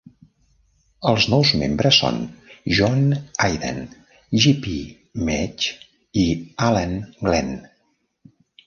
Els nous membres són John Idan, Gypie Maig i Alan Glen.